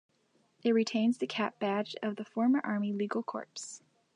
It retains the cap badge of the former Army Legal Corps.